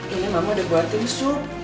ini mama udah buatin sup